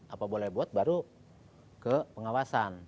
apa boleh buat baru ke pengawasan